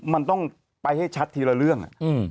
มันต้องไปให้ชัดทีละเรื่อง